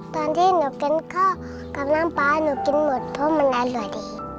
ตอนที่หนูกินข้าวกับน้ำปลาหนูกินหมดเพราะมันอร่อย